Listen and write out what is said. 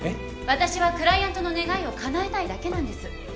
私はクライアントの願いをかなえたいだけなんです。